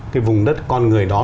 cái vùng đất con người đó